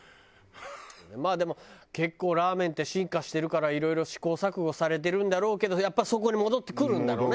まあでも結構ラーメンって進化してるからいろいろ試行錯誤されてるんだろうけどやっぱそこに戻ってくるんだろうね。